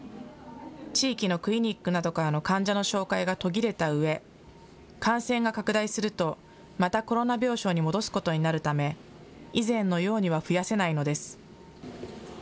地域のクリニックなどからの患者の紹介が途切れたうえ感染が拡大するとまたコロナ病床に戻すことになるため以前のようには増やせないのです。